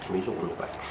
ví dụ như vậy